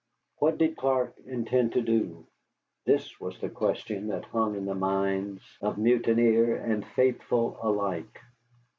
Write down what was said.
What did Clark intend to do? This was the question that hung in the minds of mutineer and faithful alike.